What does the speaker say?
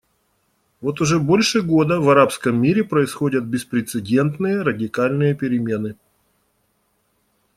Вот уже больше года в арабском мире происходят беспрецедентные радикальные перемены.